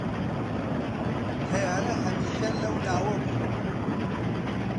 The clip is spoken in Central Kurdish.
تەیارە هەمیشە لەو ناوە بوو